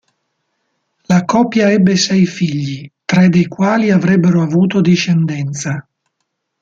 La coppia ebbe sei figli tre dei quali avrebbero avuto discendenza.